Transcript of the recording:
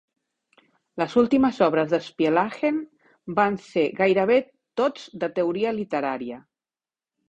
Les últimes obres de Spielhagen van ser gairebé tots de teoria literària.